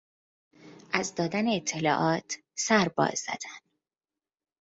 از دادن اطلاعات سر باز زدن